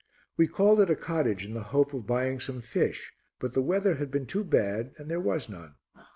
We called at a cottage in the hope of buying some fish, but the weather had been too bad and there was none.